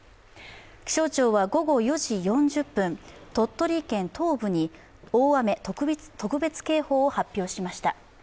気象庁は午後４時４０分、鳥取県東部に大雨特別警報を発表しました。